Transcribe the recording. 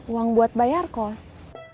uang buat bayar kos